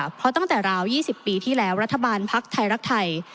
เพราะตั้งแต่ราว๒๐ปีที่แล้วรัฐบาลภักดิ์ไทยรักไทย